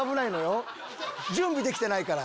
準備できてないから。